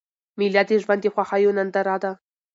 مېله د ژوند د خوښیو ننداره ده.